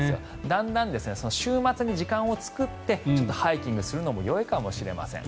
だんだん週末に時間を作ってちょっとハイキングするのもいいかもしれないです。